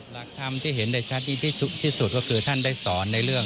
หลักธรรมที่เห็นได้ชัดที่สุดก็คือท่านได้สอนในเรื่อง